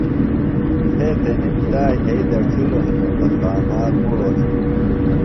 تھےۡ تنِم تا یھئیۡ دڇھِلوۡ ہِنوۡ تہ خامار مُڑوۡ ہِنوۡ